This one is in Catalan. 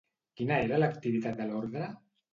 Quina era l'activitat de l'ordre?